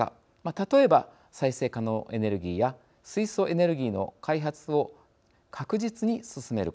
例えば再生可能エネルギーや水素エネルギーの開発を確実に進めること。